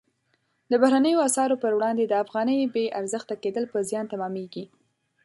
د بهرنیو اسعارو پر وړاندې د افغانۍ بې ارزښته کېدل په زیان تمامیږي.